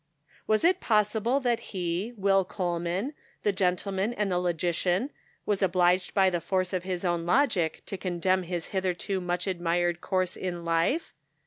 " Was it possible that he, Will Coleman, the gentleman and the logician, was obliged by the force of his own logic to condemn his hitherto much admired course in life